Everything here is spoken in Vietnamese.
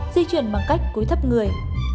di chuyển bằng cách cúi thấp người